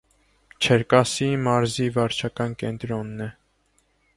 Չերկասիի մարզի վարչական կենտրոնն է։